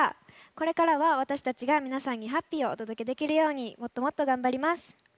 これからは私たちが皆さんにハッピーをお届けできるようにもっともっと頑張ります。